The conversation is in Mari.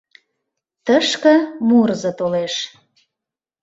Тышке мурызо толеш.